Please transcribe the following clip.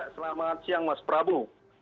selamat siang mas prabu